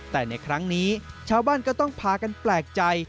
แต่ในครั้งนี้ชาวบ้านก็ต้องพากันแปลกใจ